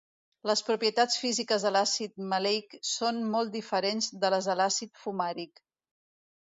Les propietats físiques de l'àcid maleic són molt diferents de les de l'àcid fumàric.